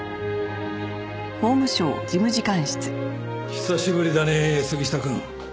久しぶりだね杉下くん。